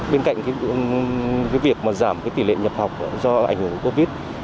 bên cạnh việc mà giảm cái tỷ lệ nhập học do ảnh hưởng của covid